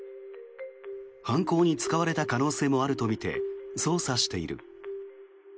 犯行に使われた可能性もあるとみて捜査している。